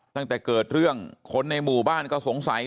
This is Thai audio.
ตั้งแต่เกิดเรื่องคนในหมู่บ้านก็สงสัย